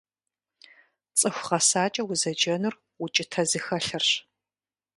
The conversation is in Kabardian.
ЦӀыху гъэсакӀэ узэджэнур укӀытэ зыхэлъырщ.